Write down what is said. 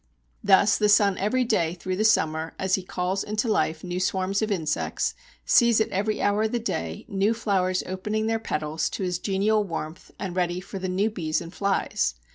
Thus the sun every day through the summer, as he calls into life new swarms of insects, sees at every hour of the day new flowers opening their petals to his genial warmth and ready for the new bees and flies.